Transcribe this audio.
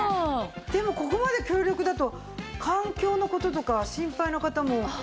でもここまで強力だと環境の事とか心配な方も。